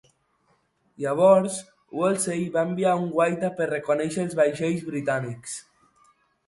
Llavors, Woolsey va enviar un guaita per a reconèixer els vaixells britànics.